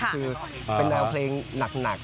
คือเป็นแนวเพลงหนัก